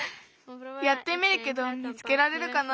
やってみるけど見つけられるかなあ。